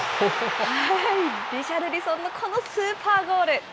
リシャルリソンのこのスーパーゴール。